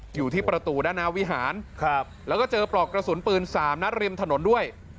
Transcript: อยู่ที่ประตูด้านหน้าวิหารแล้วก็เจอปลอกกระสุนปืน๓นัดริมถนนด้วย